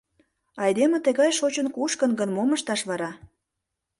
Айдеме тыгай шочын-кушкын гын, мом ышташ вара?